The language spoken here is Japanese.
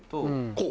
こう？